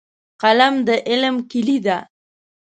قلم د علم کیلي ده.